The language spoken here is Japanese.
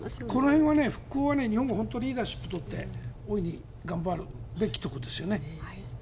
日本は復興のしっかりリーダーシップをとって大いに頑張るべきところですよね。